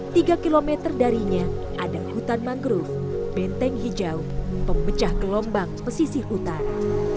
tiga kilometer darinya ada hutan mangrove benteng hijau pembecah gelombang pesisih utara